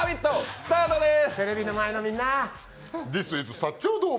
スタートです。